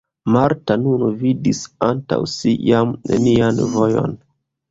Marta nun vidis antaŭ si jam nenian vojon.